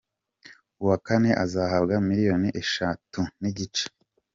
Uwa kane azahabwa miliyoni eshatu n’igice .